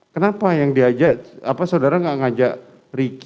kenapa yang diajak apa saudara tidak mengajak ricky